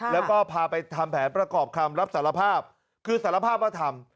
แล้วก็พาไปทำแผนประกอบคำรับสารภาพคือสารภาพว่าทำ